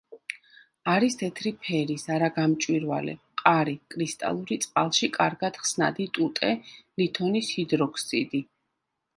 არის თეთრი ფერის, არაგამჭვირვალე, მყარი, კრისტალური, წყალში კარგად ხსნადი ტუტე ლითონის ჰიდროქსიდი.